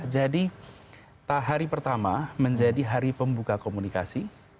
jadi hari pertama menjadi hari pembuka komunikasi